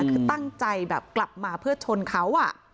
คือตั้งใจแบบกลับมาเพื่อชนเขา